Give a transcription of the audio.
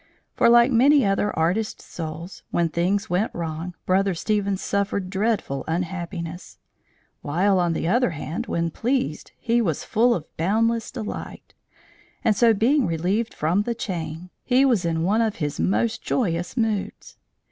For like many other artist souls, when things went wrong, Brother Stephen suffered dreadful unhappiness; while, on the other hand, when pleased, he was full of boundless delight; and so, being relieved from the chain, he was in one of his most joyous moods.